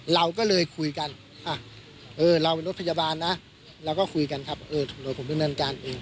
เราก็คุยกันครับเออโดยผมเป็นเงินการอื่น